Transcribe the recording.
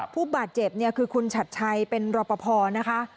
ผู้บาดเจ็บคือคุณฉัดชัยเป็นรปภนะคะ